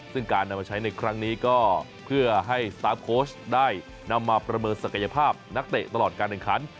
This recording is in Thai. ซึ่งการนำมาใช้ในครั้งนี้ก็เพื่อให้สตาร์ฟโค้ชได้นำมาประเมินศักยภาพนักเตะตลอดการแข่งขัน